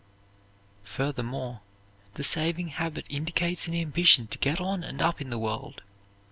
Furthermore, the saving habit indicates an ambition to get on and up in the world.